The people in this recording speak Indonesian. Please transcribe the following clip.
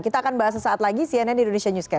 kita akan bahas sesaat lagi cnn indonesia newscast